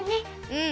うん。